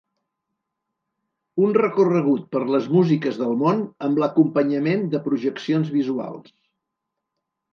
Un recorregut per les músiques del món amb l’acompanyament de projeccions visuals.